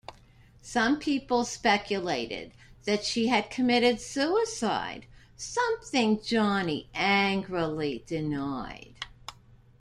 Some people speculated that she had committed suicide, something Johnny angrily denied.